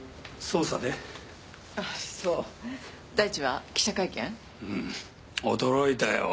うん驚いたよ。